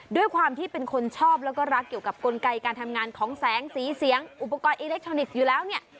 ด้วยความที่เป็นคนชอบแล้วก็รักเกี่ยวกับกลไกการทำงานของแสงสีเสียงอุปกรณ์อิเล็กทรอนิกส์อยู่แล้วเนี่ย